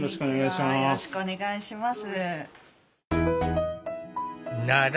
よろしくお願いします。